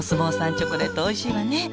チョコレートおいしいわね。